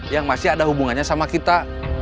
yang masih ada hubungannya sama kita